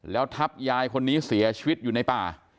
แล้วทับยายคนนี้เสียชีวิตอยู่ในป่า